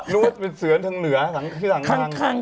รู้ว่าจะเป็นเสือทางเหนือสังคัง